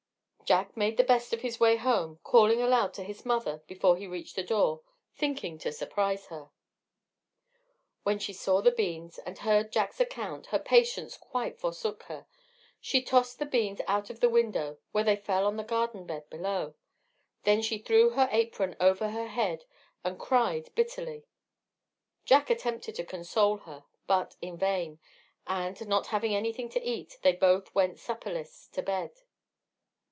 Jack made the best of his way home, calling aloud to his mother before he reached the door, thinking to surprise her. When she saw the beans, and heard Jack's account, her patience quite forsook her: she tossed the beans out of the window, where they fell on the garden bed below. Then she threw her apron over her head, and cried bitterly. Jack attempted to console her, but in vain, and, not having anything to eat, they both went supperless to bed.